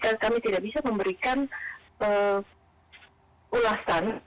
karena kami tidak bisa memberikan ulasan